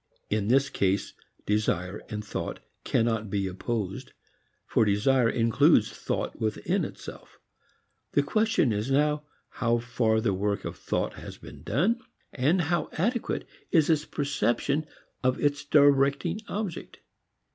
In this case desire and thought cannot be opposed, for desire includes thought within itself. The question is now how far the work of thought has been done, how adequate is its perception of its directing object.